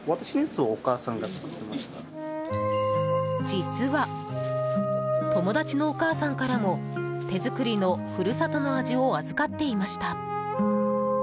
実は友達のお母さんからも手作りの故郷の味を預かっていました。